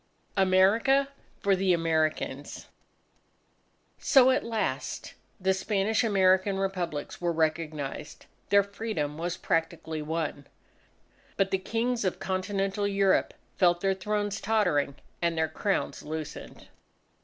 AMERICA FOR THE AMERICANS So at last, the Spanish American Republics were recognized. Their Freedom was practically won. But the Kings of Continental Europe felt their thrones tottering and their crowns loosened.